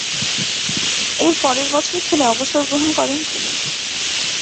এর পরের বছর খেলে অবসর গ্রহণ করেন তিনি।